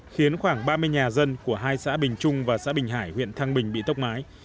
khiến khoảng ba mươi nhà dân của hai xã bình trung và xã bình hải huyện thăng bình bị tốc mái